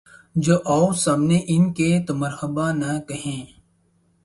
جو آؤں سامنے ان کے‘ تو مرحبا نہ کہیں